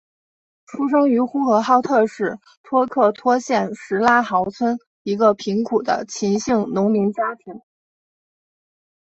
出生于呼和浩特市托克托县什拉毫村一个贫苦的秦姓农民家庭。